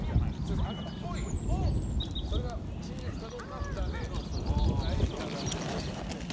では、真実かどうか札でお答えいただくということで。